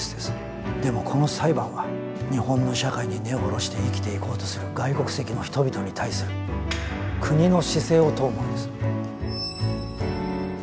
でもこの裁判は日本の社会に根を下ろして生きていこうとする外国籍の人々に対する国の姿勢を問うものです。